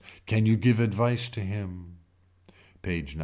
Can you give advice to her. PAGE XCVII.